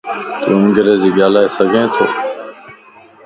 تون انگلش ڳالھائي سڳي تو؟